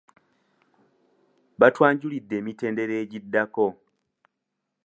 Baatwanjulidde emitendera egiddako.